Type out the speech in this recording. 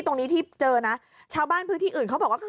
ตรงนี้ที่เจอนะชาวบ้านพื้นที่อื่นเขาบอกว่า